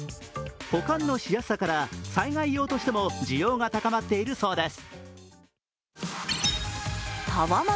保管のしやすさから災害用としても需要が高まっているそうです。